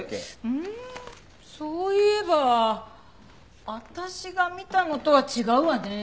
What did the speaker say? うーんそういえば私が見たのとは違うわね。